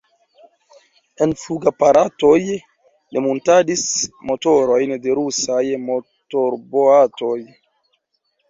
En flugaparatoj li muntadis motorojn de rusaj motorboatoj.